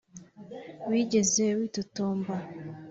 wigeze witotomba,